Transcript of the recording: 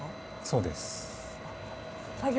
そうです。